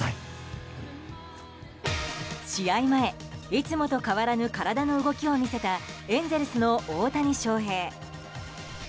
試合前、いつもと変わらぬ体の動きを見せたエンゼルスの大谷翔平。